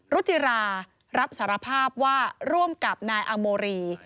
รุจิรารับสารภาพว่าร่วมกับนายอาโมรี